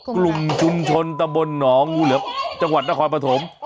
กลุ่มชุมชนตะบนหนองจังหวัดนครปฐม